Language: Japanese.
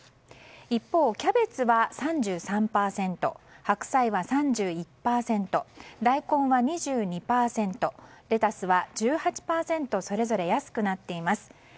一方、キャベツは３３％白菜は３１％大根は２２％、レタスは１８％それぞれ安くなっています。